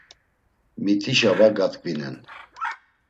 Mitişa va gatkvinen.